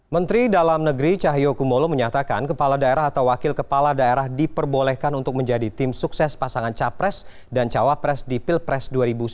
menteri dalam negeri cahyokumolo menyatakan kepala daerah atau wakil kepala daerah diperbolehkan untuk menjadi tim sukses pasangan capres dan cawapres di pilpres dua ribu sembilan belas